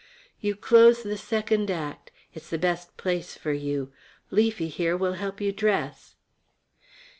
"You close the second act; it's the best place for you. Leafy, here, will help you dress."